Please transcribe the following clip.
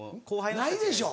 ないでしょ。